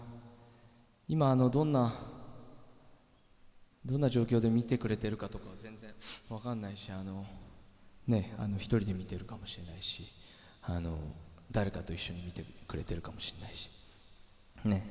今、どんな状況で見てくれてるのか全然分からないし、１人で見てるかもしれないし、誰かと一緒に見てくれてるかもしれないしね